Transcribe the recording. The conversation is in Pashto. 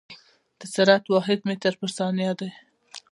د سرعت واحد متر پر ثانیه دی.